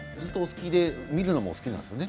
見るのもお好きなんですよね。